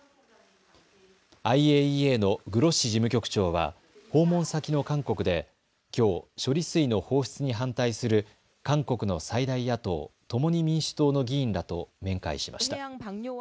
ＩＡＥＡのグロッシ事務局長は訪問先の韓国できょう処理水の放出に反対する韓国の最大野党、共に民主党の議員らと面会しました。